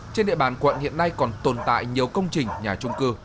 trên địa bàn quận hiện nay còn tồn tại nhiều công trình nhà trung cư